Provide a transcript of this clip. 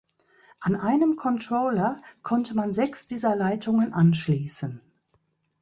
An einem Controller konnte man sechs dieser Leitungen anschließen.